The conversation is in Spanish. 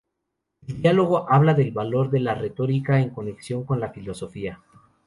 El diálogo habla del valor de la retórica en conexión con la filosofía.